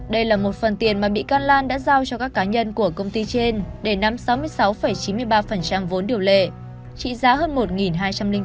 đây là một phần tiền mà bị can lan đã giao cho các cá nhân của công ty trên để nắm sáu mươi sáu chín mươi ba vốn điều lệ trị giá hơn một hai trăm linh tỷ đồng